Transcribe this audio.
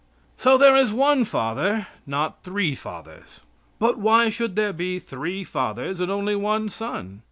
"So there is one Father, not three Fathers." Why should there be three Fathers, and only one Son?